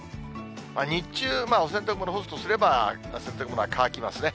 日中、お洗濯物干すとすれば、洗濯物は乾きますね。